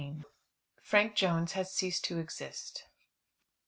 FRANK JONES HAS CEASED TO EXIST.